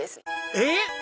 えっ！